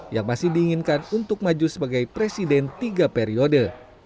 yang masih diinginkan untuk maju sebagai presiden tiga periode